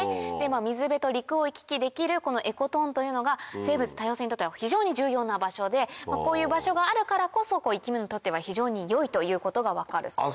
水辺と陸を行き来できるこのエコトーンというのが生物多様性にとっては非常に重要な場所でこういう場所があるからこそ生き物にとっては非常に良いということが分かるそうです。